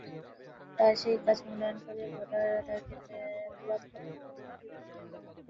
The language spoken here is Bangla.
তাঁর সেই কাজ মূল্যায়ন করে ভোটাররা তাঁকে দোয়াত-কলম প্রতীকে ভোট দেবেন।